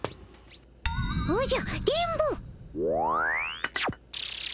おじゃ電ボ！